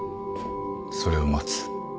それを待つ。